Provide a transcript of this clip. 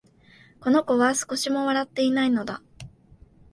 この子は、少しも笑ってはいないのだ